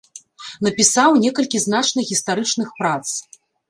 Напісаў некалькі значных гістарычных прац.